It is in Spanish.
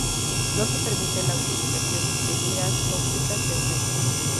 No se permite la utilización de miras ópticas de aumento.